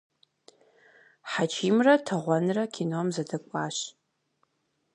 Хьэчимрэ Тыгъуэнрэ кином зэдэкӏуащ.